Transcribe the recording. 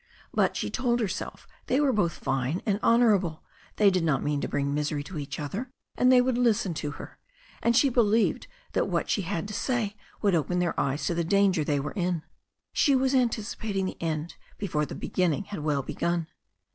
But, she told herself, they were both fine and honourable* THE STORY OF A NEW ZEALAND RIVER 305 they did not mean to bring misery to each other, and they would listen to her. And she believed that what she had to say would open their eyes to the danger they were in. She was anticipating the end before the beginning had well begun.